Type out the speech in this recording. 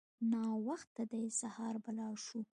ناوخته دی سهار به لاړ شو.